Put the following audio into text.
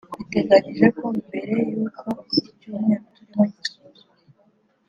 Biteganyije ko mbere y'uko iki Cyumweru turimo gisozwa